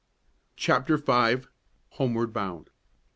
CHAPTER V. HOMEWARD BOUND.